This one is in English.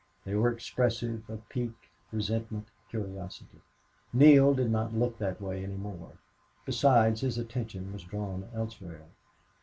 They were expressive of pique, resentment, curiosity. Neale did not look that way any more. Besides, his attention was drawn elsewhere.